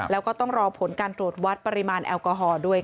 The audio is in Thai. แล้วก็ต้องรอผลการตรวจวัดปริมาณแอลกอฮอล์ด้วยค่ะ